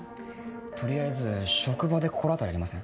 取りあえず職場で心当たりありません？